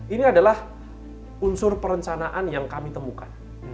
ini adalah unsur perencanaan yang kami temukan